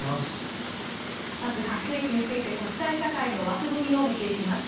まず核兵器について国際社会の枠組みを見ていきます。